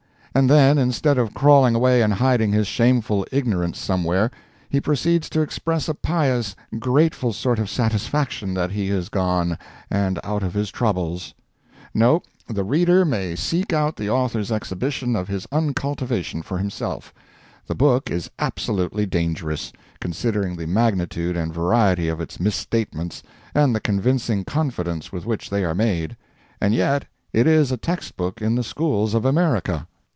And then, instead of crawling away and hiding his shameful ignorance somewhere, he proceeds to express a pious, grateful sort of satisfaction that he is gone and out of his troubles! No, the reader may seek out the author's exhibition of his uncultivation for himself. The book is absolutely dangerous, considering the magnitude and variety of its misstatements and the convincing confidence with which they are made. And yet it is a text book in the schools of America.